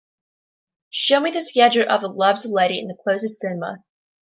show me the schedule of The Loves of Letty in the closest cinema